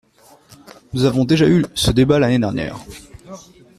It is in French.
Nous avons déjà eu ce débat l’année dernière.